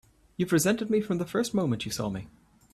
You've resented me from the first moment you saw me!